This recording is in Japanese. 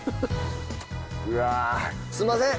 うわすんません。